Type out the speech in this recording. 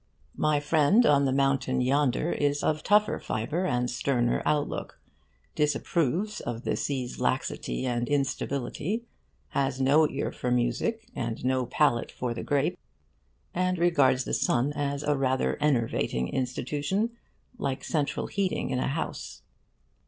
My friend on the mountain yonder is of tougher fibre and sterner outlook, disapproves of the sea's laxity and instability, has no ear for music and no palate for the grape, and regards the sun as a rather enervating institution, like central heating in a house.